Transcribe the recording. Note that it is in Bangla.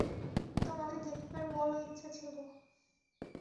তোমাকে দেখিবার বড় ইচ্ছা ছিল।